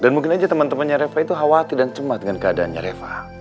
dan mungkin aja temen temennya reva itu khawatir dan cemat dengan keadaannya reva